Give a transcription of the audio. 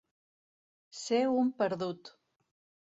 Ser un perdut.